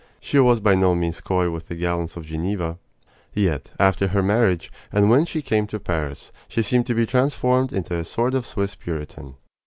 She was by no means coy with the gallants of Geneva. Yet, after her marriage, and when she came to Paris, she seemed to be transformed into a sort of Swiss Puritan.